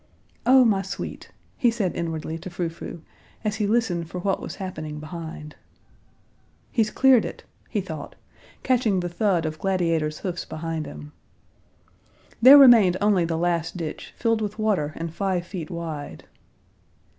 "O my sweet!" he said inwardly to Frou Frou, as he listened for what was happening behind. "He's cleared it!" he thought, catching the thud of Gladiator's hoofs behind him. There remained only the last ditch, filled with water and five feet wide.